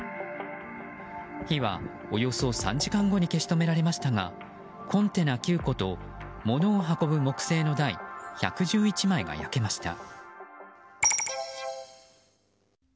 火はおよそ３時間後に消し止められましたがコンテナ９個と、物を運ぶ木製の台１１１枚が焼けました。